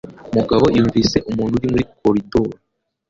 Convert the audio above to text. Mugabo yumvise umuntu uri muri koridoro